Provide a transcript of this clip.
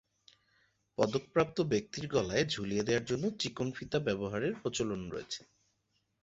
পদকপ্রাপ্ত ব্যক্তির গলায় ঝুলিয়ে দেয়ার জন্য চিকন ফিতা ব্যবহারের প্রচলন রয়েছে।